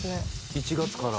１月から。